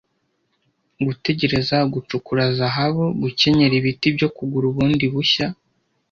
Gutegereza, gucukura zahabu, gukenyera ibiti byo kugura bundi bushya,